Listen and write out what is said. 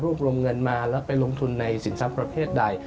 รวมเงินมาแล้วไปลงทุนในสินทรัพย์ประเภทใด